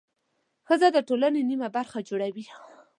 ښځه د ټولنې نیمه برخه جوړوي.